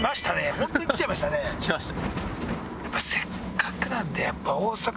ホントに来ちゃいましたね。来ました。